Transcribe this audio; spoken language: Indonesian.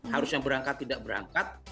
harusnya berangkat tidak berangkat